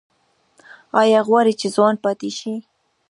ایا غواړئ چې ځوان پاتې شئ؟